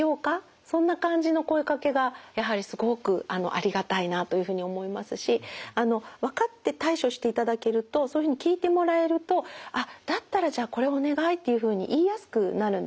そんな感じの声かけがやはりすごくありがたいなというふうに思いますし分かって対処していただけるとそういうふうに聞いてもらえるとあっだったらじゃあこれお願いっていうふうに言いやすくなるんですよね。